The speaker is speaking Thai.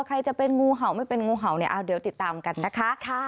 ใครจะเป็นงูเห่าไม่เป็นงูเห่าเนี่ยเอาเดี๋ยวติดตามกันนะคะ